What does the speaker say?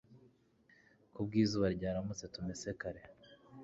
ku bw'izuba ryaramutse tumese kare